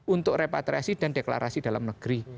untuk repatriasi dan deklarasi dalam negeri